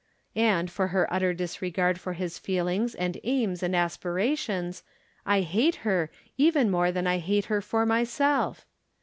And for her utter disregard for his feelings, and aims, and aspirations, I hate her, even more than I hate her for myself.